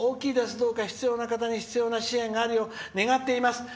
どうか必要な方に必要な支援があるよう願っています」。